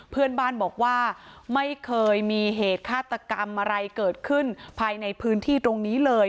เพื่อนบ้านบอกว่าไม่เคยมีเหตุฆาตกรรมอะไรเกิดขึ้นภายในพื้นที่ตรงนี้เลย